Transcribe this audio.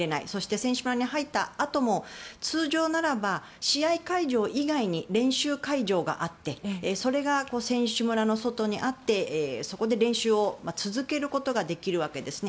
選手村に入ったあとも通常ならば、試合会場以外に練習会場があってそれが選手村の外にあってそこで練習を続けることができるわけですね。